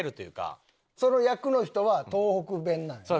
その役の人は東北弁なんだ。